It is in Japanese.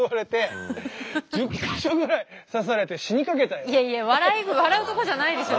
この前さいやいや笑うとこじゃないでしょ